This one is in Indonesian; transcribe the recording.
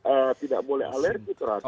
eh tidak boleh alergi terhadap